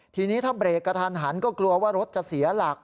ทีนี้ถ้าเบรกกระทันหันก็กลัวว่ารถจะเสียหลัก